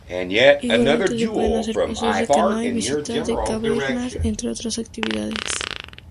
Igualmente se pueden hacer paseos en canoa y visita de cavernas entre otras actividades.